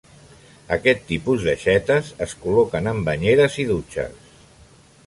Aquest tipus d'aixetes es col·loquen en banyeres i dutxes.